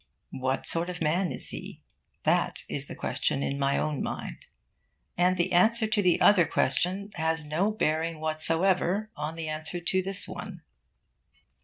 What sort of man is he? That is the question in my own mind. And the answer to the other question has no bearing whatsoever on the answer to this one.